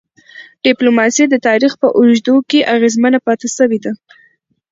ډيپلوماسي د تاریخ په اوږدو کي اغېزمنه پاتې سوی ده.